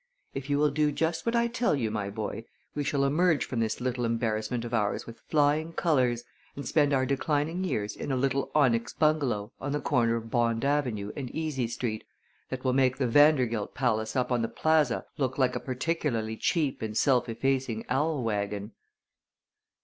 If you will do just what I tell you, my boy, we shall emerge from this little embarrassment of ours with flying colors, and spend our declining years in a little onyx bungalow on the corner of Bond Avenue and Easy Street that will make the Vandergilt palace up on the Plaza look like a particularly cheap and self effacing owl wagon."